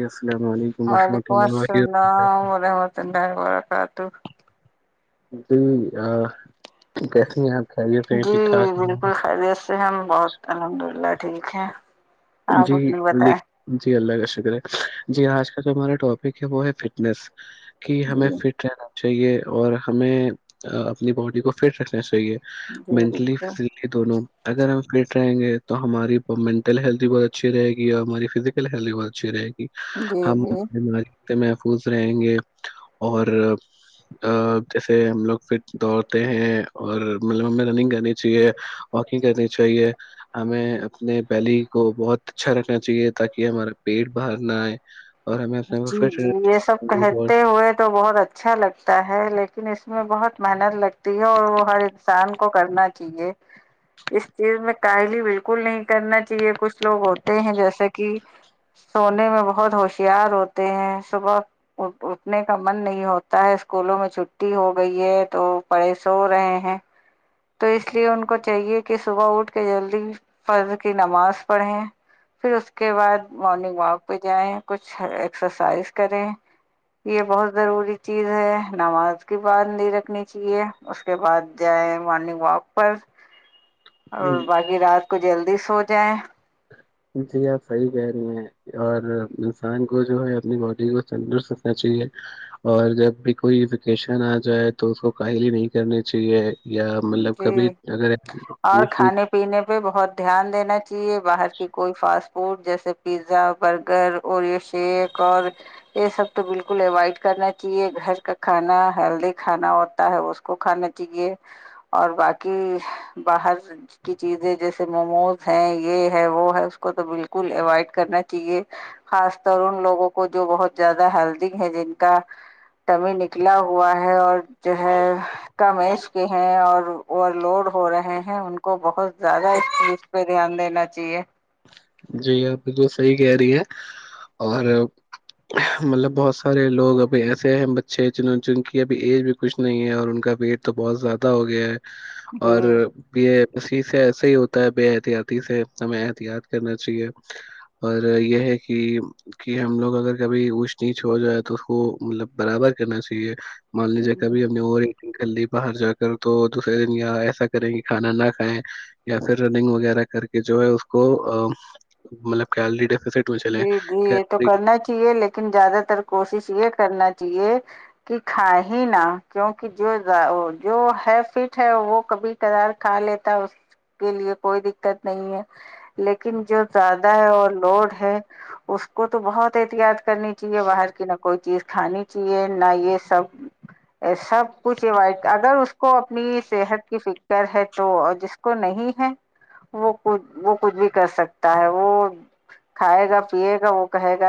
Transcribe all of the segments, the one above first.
یس وعلیکم السلام وورحمۃ اللہ ورکاتہ جی آ کیسی ہیں آپ خیریت سے ہیں جی ٹھیک ٹھاک بالکل ہیں؟ خیرییت سے ہم بہت الحمد اللہ ٹھیک ہے جی جی اللہ کا شکر ہے جی آج کا جو ہمارا ٹاپک ہے وہ ہے فٹنیس کہ ہمیں جی فٹ رہنا چاہیے اور ہمیں اپنی باڈی کو فٹ رکھنا چاہیے جی مینٹلی بالکل فزیکلی دونوں اگر ہم فٹ رہیں گے تو ہماری مینٹل ہیلتھ بہ اچھی رہے گی اور ہماری فزیکل ہیلت بہ اچھی رہےی جی جی ہماری محفوظ رہیں گے اور جیسے ہم لوگ فٹ دوڑتے ہیں اور مطلب ہمیں رننگ کرنی چاہیے کرنی چاہیے ہمیں نے پہلی کو بہت اچھا رکھنا چاہیے تاکہ ہمارا پیٹ باہر نہ آئے اور ہمیں اپنے جی فٹ جی یہ سب کہتے ہوئے تو بہت اچھا لگتا ہے لیکن اس میں بہت محنت لگتی اور وہ ہر انسان کو کرنا چاہیے اس چیز میں کاہلی بالکل نہیں کرنا چاہیے کچھ لوگ ہیں جیسے کہ سونے میں بہت ہوشیار ہوتے ہیں صبح ا اٹھنے کا من نہیں ہوتا ہے اسکولوں میں چھٹی ہو گئی ہے تو پڑے سو رہے ہیں تو اس لیے ان کو چاہیے کہ صبح اٹ کے جلدی فرض کی نماز پڑھیں پھر اس کے بعد مارننگ واک پہ جائیں کچھ ایکسرسائز کریں یہ بہت ضروری ت چیز ہے نماز کی بات نہیں رکھنی چاہیے اس کے بعد جائ مارگ وک پر ہاں باقی رات کوھ جلدی سو جائیں جی آپ صحیح کہہ رہی ہیں اور انسان کو جو ہے اپنی باڈی کو تندرست رکھنا چاہیے اور جب بھی کوئی ایوکیشن آ جائے تو اس کو کاہلی نہیں کرنی چاہیے یا مطلب جی کبھی اگر اور کھانے پینے پہ بہت دھیان دینا چاہیے باہر کہ کوئی فاس فوڈ جیسے پیزا برگر اوریو شیک اور یہ سب تو بالکل اوائڈ کرنا چاہیے گھر کا کھانا ہیلدی کھانا ہوتا ہے اس کو کھانا چاہیے اور باقی باہر کی چیزیں جیسے موموز ہیں یہ ہے وہ ہے اس کو تو بالکل اوائڈ کرنا چاہیے خاص طر ان لوگوں کو جو بہت زیادہ ہیلدی ہے جن کا تمی نکلا ہوا ہے اور جو ہے کم ہیں اور اوور لوڈ ہو رہے ہیں ہیں ان کو بہت زیادہ اس چیز پہ دھیان دینا چی ہے جی آپ بالکل صحیح کہہ رہی ہیں اور مطلب بہت سارے لوگ ابھی ایسے اہم بچے ہیں جنوں جن کی ابھی ایج بھی کچھ نہیں ہے اور ان کا بھییٹ تو بہت زیادہ ہو گیا ہے اور جی یہ اسی سے ایسے ہی ہوتا ہے بے احتیاطی سے ہم یاد کرنا چاہیے اور یہ ہے کہ ہم لوگ اگر کبھی وش نہیں چھوڑ جائے تو اس کو مطلب برابر کرنا چاہیے مان لیج جے گا بھی اپ اور گلی باہر جا کر تو دوسرے دن یا ایسا کریں کہ کھانا نہ کھائیں یا پھر رننگ وغیرہ کر کے جو ہے کو مطلبڈ جی جی یہ تو کرنا ہی چاہیے لیکن زیادہ تر کوشش یہ کرنا چاہیے کہ کھ ہی نہا کیوںکہ جو جو ہے فٹ ہے وہ کبھی کبھار کھا لیتا اس کے لیے کوئی دقت نہیں ہے لیکن جو زیادہ ہے اور لوڈ اس کو تو بہت ہی احت یاد کرنی چاہیے باہر کی نہ کوئی چیز کھانی چاہیے نہ یہ سب سب کچھ اائڈ اگر اس کو اپنی صحت کی فکر ہے تو جس کو نہیں ہے وہ ک وہ کچھ بھی کر سکتا ہے وہ کھائے گا پیے گا وہ کہے گا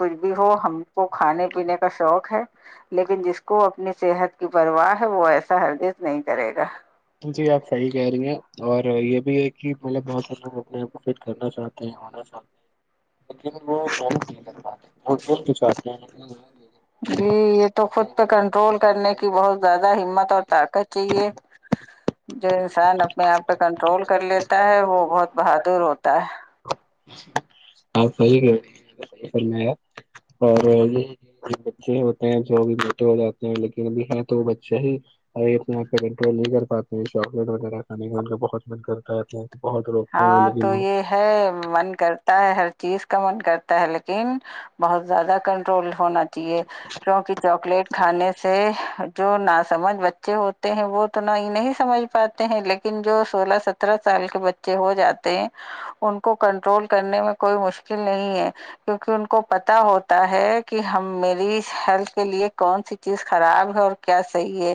کچھ بھی ہو ہم کو کھانے پینے کا شوق ہے لیکن جس کو اپنی صحت کی پرواہ ہے وہ ایسا ہردت نہیں کرے گا جی آپ صحیح کہہ رہی ہیں اور یہ بھی ہے کہ مطلب بہت سارے لوگ اپنے آپ کو فٹ کرنا چاہتے ہیں ہونا چاہتے لیکن وہ ب نہیں لگ پات م دون کچھ آ ن ہاںاں جی یہ تو خود پہ کنٹرول کرنے کی بہت زیادہ ہمت اور طاقت چاہیے جو انسان اپنے آپ پہ کنٹرول کر لیتا ہے وہ بہت بہادر ہوتا ہے آپ صحیح کری ف میں اور یہ بچے ہوتے ہیں جوب موٹے ہو جاتے ہیں لیکن ابھی ہے تو وہ بچے ہی ابھی اپنے آپ پہ کنٹرول نہیں کر پاتے چاکلیٹ وغیرہ کھانے کا ان کا بہت من کرتا تھاے ہاں تو یہ ہے من کرتا ہے ہر چیز کا من کرتا ہے لیکن بہت زیادہ کنٹرول ہونا چاہیے کیونکہ چاکلیٹ کھانے سے جو ناس سمجھ بچے ہوتے ہیں وہ تو نہ ہی نہیں سمجھ پاتے ہیں لیکن جو سولہ سترہ سال کے بچے بے ہو جاتے ہیں ان کو کنٹرول کرنے میں کوئی مشکل نہیں ہے کیونکہ ان کو پت ہوتا ہے کہ ہم میری ہیلتھ کے لیے کون سی چیز خراب ہے اور کیا صحیح ہے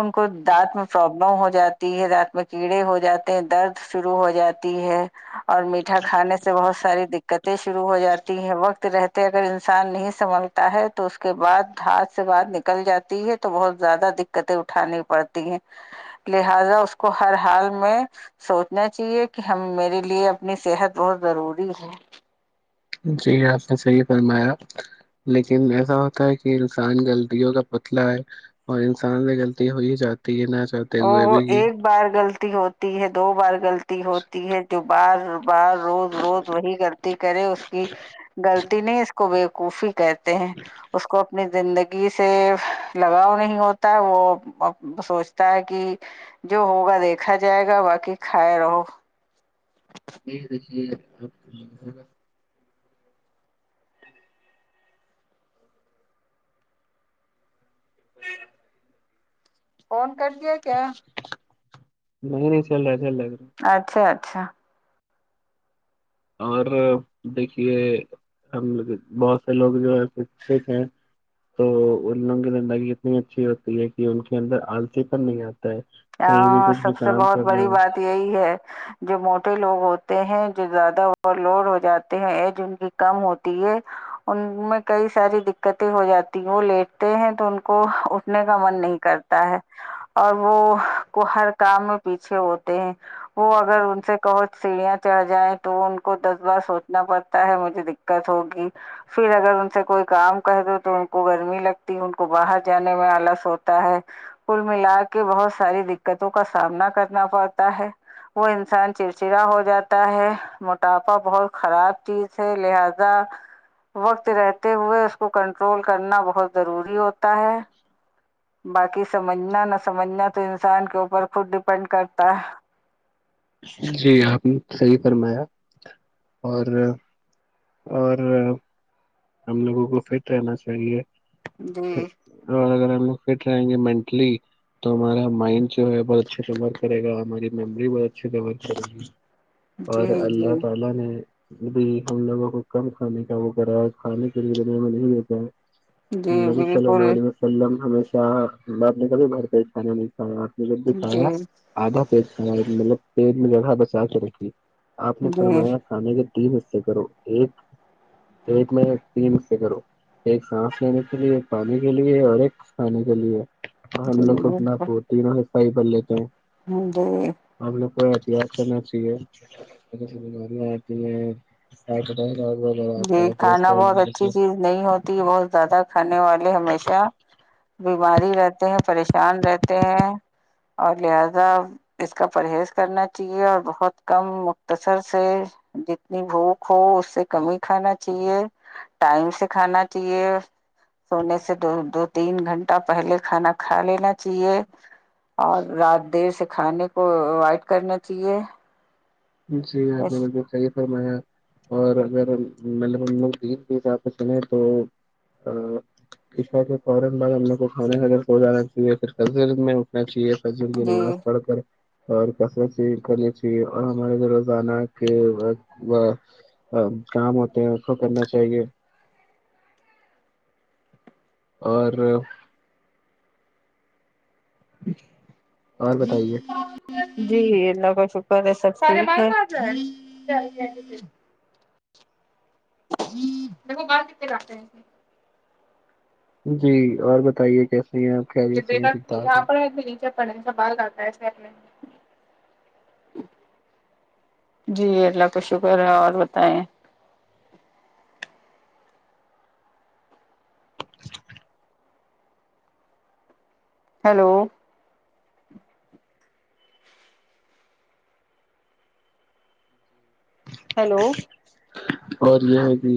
ان کو دانت میں پرابلم ہو جاتی ہے دانت میں کیڑے ہو جاتے ہیں درد شرو ہو جاتی ہے اور میٹھا کھانے سے بہت ساری دقتیں شروع ہو جاتی ہیں وقت رہتا اگر انسان نہیں سنبھلتا ہے تو اس کے بعد ہات سے بر نکل جاتی ہے تو بہت زیادہ دقتیں اٹھانی پڑتی ہیں لہذا اس کو ہر حال میں سوچنا چاہیے کہ ہم میرے لیے اپنی صحت بہت ضروری ہے جی آپ نے صحیح فرمایا لیکن ایسا ہوتا ہے کہ انسان غلطیوں کا پتلا ہے اور انسان سے غلطی ہو ہی جاتی ہے نہ چاہتے وہ ہوئے وہ بھی کہ ایک بار غلط ہوتی ہے دو بار غلط ہوتی ہے جو بار بار روز روز وہی غلط کرے اس کی غلط نہیں اس کو بےقوفی کہتے ہیں اس کو اپنی زندگی ی سے لگاؤ نہیں ہوتا ہے وہ سوچ ہے کہ جو ہوگا دیکھا جائے گا باقی کھائے رہو اا [inaudible] کون کر د ہے کیا [unintelligible] ااچھا [unintelligible] اور دیکھیے ہم بہت سے لوگ جو ہیں تو ان لوگوں کی اتنی اچھی ہوتی ہے کہ ان کے اندر الٹے پر نہیں اتی ہاں سب سے بہت بڑی ہو۔ بات یہی ہے جو ماڈل لوگ ہوتے ہیں جو زیادہ اور لوڈ ہو جاتے ہیں ایج ان کی کم ہوتی ہے ان میں کئی ساری دقتیں ہو جاتی ہوں لیٹتے ہیں تو ان کو اٹھنے کا عمل نہیں کرتا ہے اور وہ کو ہر کام میں پیچھے ہوتے ہے وہ اگر ان سے کہچ سیڑیاں چڑھ جائیں تو ان کو دس بار سوچنا پڑتا ہے مجھے دقت ہوگی پھر اگر ان سے کوئی کام کر دو تو ان کو گرمی لگتی ان کو باہر جانے میں آلس ہوتا ہے کل ملا کے بہت ساری دقتوں کا سامنا کرنا پڑتا ہے وہ انسان چڑچڑا ہو جاتا ہے موٹاپا بہت خراب چیز ہے لہذا وقت رہتے ہوئے کو کنٹرول کرنا بہت ضروری بھی ہوتا ہے باقی سمجھنا نہ سمجھنا تو انسان کے اوپر خود ڈیپینڈ کرتا ہے جی آپ صحیح فرمایا اور اور ہم لوگوں کو فٹ رہنا چاہیے جی [unintelligible] ہم لوگ فٹ رہینگے منتقلی تو ہمارا مند جو ہے وہ اچھے سے ورک کریگا اور ہماری میموری بہت اچھے سے ورک کریگا اور جی اللہ جی تعالی نے ابی ہم لوگوں کو کم کھانے کا وہ کراج کھانے کے لیے جب بھی ملتا ہے جی نبی سللاللہو بالکل علیہ وسلم ہمیں ہیں میں اب کبھی بھر پیٹ کھانا بھی کہونگا میں جب بھی کہونگا جی جی آدھا پیٹ کہونگا مطلب پیٹ میں جگہ بچا کے رکھیے اپنے جی فرمایا کھانے میں تین حصے کاری ایک ایک میں تین سے کروں ایک سانس لینے کے لیے ایک پانی کے لیے اور ایک کھانے کے لیے پ لو ختنا پتی رہ ف بلے تو ہ جی کرنا چے بیماریاں آتی ہیں جا جی ہے کھانا کولسٹرول بہت اچھی چیز نہیں ہوتی بہت زیادہ کھانے والے ہمیشہ بیماری رہتے ہیں پریشان رہتے ہیں اور لہذا اس کا پرہیز کرنا چاہیے اور بہت کم مختصر سے جتنی بھوک ہو اسے کمی ہی کھانا چاہیے ٹائم سے کھانا چاہیے سونے سے سے دو دو تین گھنٹہ پہلے کھانا کھا لینا جیے اور رات دیر سے کھانے کو پرووائڈ کرنا چاہیے جی آپ نے بالکل صحیح فرمایا اور اگر مطلب ہم لوگ دین کی جہ چلیں تو عشا کے فورا بعد ہم لوگ کو کھانے کادر س ہو جانا چاہیے پھر قل میں اٹھنا چاہیے سجر کی جی نماز پڑھ کر اور نا چاہیے کرنی چاہیے اور ہمارے جو روزانہ کے کام ہوتے ہیں اس کو کرنا چاہیے اور اور جی بتائیے ہ جی جی اللہ کا شکر ہے سب سے ج دیکھو بات کتنے کاتے ہیں جی اور بتائیے کیسے ہیں آپ ج خیریت سے ہیں ٹھیک ٹھاک آ ہیں نیچے سال ہے جی ارلا کا شکر ہے اور بتائے ہلو ہیلو اور یہ ہے کہ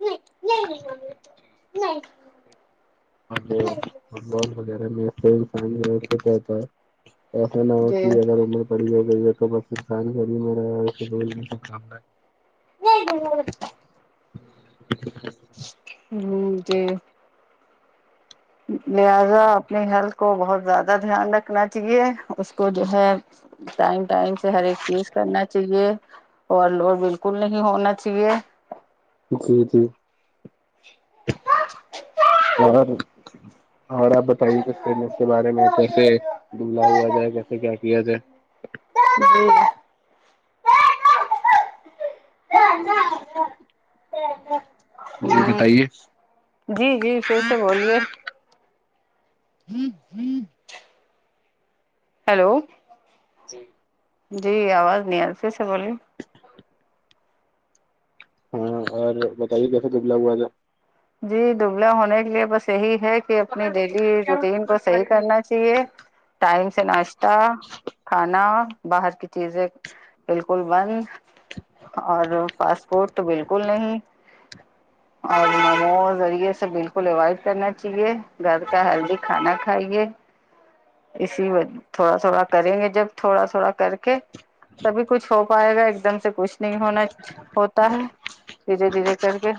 نہیں نہیں نہیں تو نہیں م فٹ بال وغیرہ میں ف فتا ہے ایسا نہ ہو کہ جی اگر امر پڑی ہو تو بانی م شام [unintelligible] ہمم جی لہذا اپنی ہیلتھ کو بہت زیادہ دھیان رکھنا چاہیے اس کو جو ہے ٹائم ٹائم سے ہر ایک چیز کرنا چاہیے اور لوور بالکل نہیں ہونا چاہیے جی جی اور اور آپ بتائیے کہ کرنس کے بارے میں کیسے دملہ ہوا جائے کیسے کیا کیا جائے [unintelligible] جی ہمم بتائیے جی جی پھر سے بولیے [unintelligible] ہیلو جی آواز نہیںرفی سے بول رہی ہمم اور بتائیے کیسے دبلا ہوا تھا جی دبل ہونے کے لیے بس یہی ہے کہ اپنے ڈیلی روٹین کو صحیح کرنا چاہیے ٹائم سے ناشتہ کھانا باہر کی چیزیں بالکل بند اور فاسٹ فوڈ تو بالکل نہیں اور موموز اور یہ سب بالکل اوائڈ کرنا چاہیے گھر کا ہیلدی کھانا کھائیے اسی تھوڑا تھوڑا کریں گے جب تھوڑا تھوڑا کر کے تبھی کچھ ہو پائے گا ایک دم سے کچھ نہیں ہونا ہوتا ہے دھیرے دھیرے کر کے